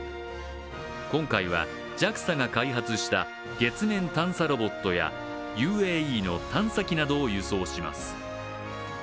今回は、ＪＡＸＡが開発した月面探査ロボットやＵＡＥの探査機などを輸送します。